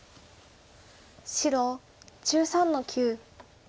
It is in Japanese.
白１３の九。